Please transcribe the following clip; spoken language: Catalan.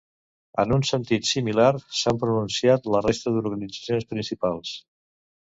En un sentit similar s’han pronunciat la resta d’organitzacions principals.